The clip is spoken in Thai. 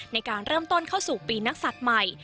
ในการเริ่มต้นเข้าสู่ปีนักศัตริย์ใหม่